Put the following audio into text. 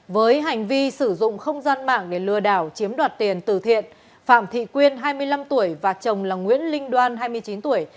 với hành vi sử dụng không gian mạng để lừa đảo chiếm đoạt tiền từ thiện phạm thị quyên hai mươi năm tuổi và chồng là nguyễn linh đoan hai mươi chín tuổi